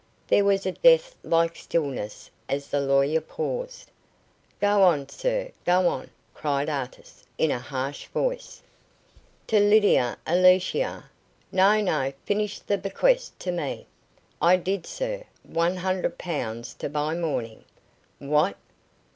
There was a death like stillness as the lawyer paused. "Go on, sir, go on," cried Artis, in a harsh voice. "To Lydia Alicia " "No, no, finish the bequest to me." "I did, sir. One hundred pounds to buy mourning." "What?